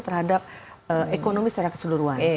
terhadap ekonomi secara keseluruhan